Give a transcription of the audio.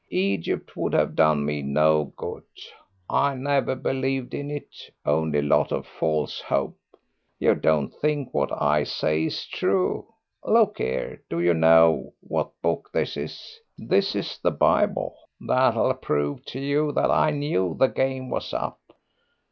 Egypt would have done me no good; I never believed in it only a lot of false hope. You don't think what I say is true. Look 'ere, do you know what book this is? This is the Bible; that'll prove to you that I knew the game was up.